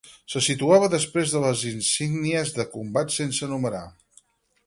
Se situava després de les insígnies de combat sense numerar.